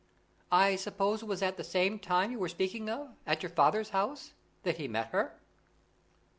I suppose it was at the same time you were speaking of at your father's house that he met her."